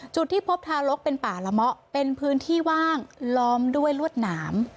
จุดที่พบทารกเป็นป่าละเมาะเป็นพื้นที่ว่างล้อมด้วยลวดหนาม